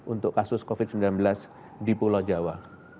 untuk kasus covid sembilan belas di pulau jawa